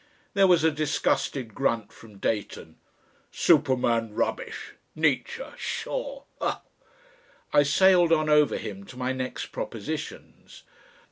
There was a disgusted grunt from Dayton, "Superman rubbish Nietzsche. Shaw! Ugh!" I sailed on over him to my next propositions.